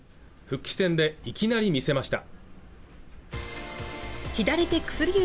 復帰戦でいきなり見せました